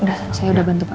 udah saya udah bantu pak